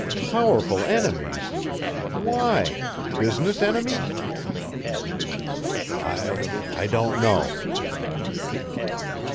"Powerful enemies? Why? Business enemies?" "I I don't know."